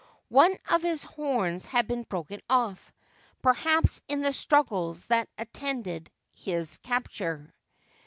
One of his horns had been broken ofE, perhaps in the struggles that attended his capture.